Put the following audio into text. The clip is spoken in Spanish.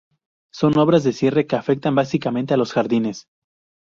Son obras de cierre que afectan básicamente a los Jardines.